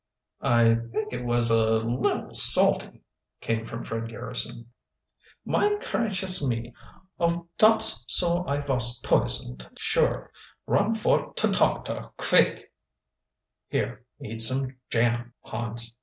"I think it was a little salty," came from Fred Garrison. "Mine cracious me! Of dot's so I vos poisoned, sure. Run for der toctor kvick!" "Here, eat some jam, Hans.